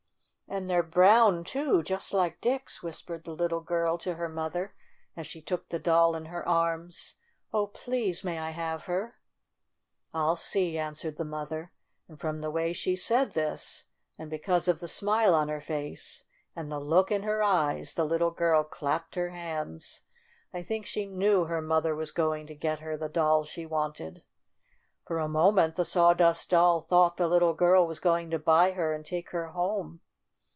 "And they're brown, too, just like Dick's!" whispered the little girl to her 30 STORY OF A SAWDUST DOLL mother, as she took the doll in her arms. "Oh, please may I have her ?" "111 see," answered the mother, and from the way she said this, and because of the smile on her face and the look in her eyes, the little girl clapped her hands. I think she knew her mother was going to get her the doll she wanted. For a moment the Sawdust Doll thought the little girl was going to buy her and take her home.